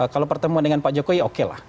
kalau pertemuan dengan pak jokowi oke lah